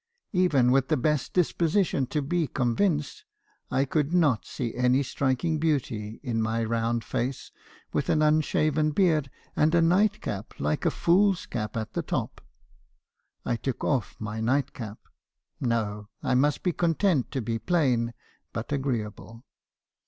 Even with the best disposition to be convinced , I could not see any striking beauty in my round face, with an unshaven beard and a nightcap, like a fool's cap at the top. I took off my nightcap. No ! I must be content to be plain, but agreeable.